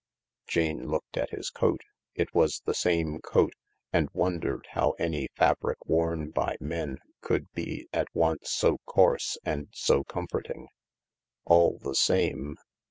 . Jane looked at his coat — it was the same coat — and wondered how any fabric worn by men could be at once so coarse and so comforting. All the same